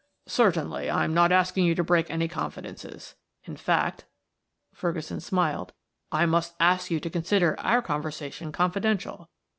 "Certainly. I am not asking you to break any confidences; in fact," Ferguson smiled, "I must ask you to consider our conversation confidential.